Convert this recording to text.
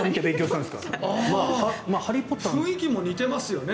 雰囲気も似ていますよね